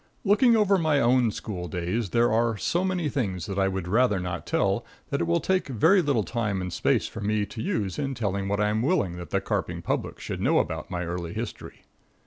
Looking over my own school days, there are so many things that I would rather not tell, that it will take very little time and space for me to use in telling what I am willing that the carping public should know about my early history.